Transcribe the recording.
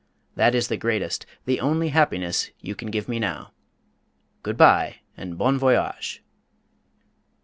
That is the greatest, the only happiness you can give me now. Good bye, and bon voyage!"